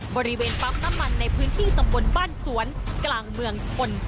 บริเวณปั๊มน้ำมันในพื้นที่ตำบลบ้านสวนกลางเมืองชน